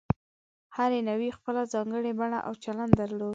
هرې نوعې خپله ځانګړې بڼه او چلند درلود.